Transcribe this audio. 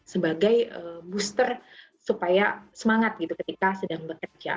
sebagai booster untuk semangat ketika sedang bekerja